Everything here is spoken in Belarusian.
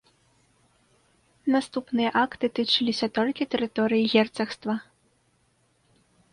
Наступныя акты тычыліся толькі тэрыторыі герцагства.